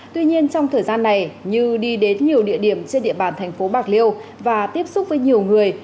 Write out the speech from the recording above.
tuy nhiên trong thời gian này như đi đến nhiều địa điểm trên địa bàn thành phố bạc liêu và tiếp xúc với nhiều người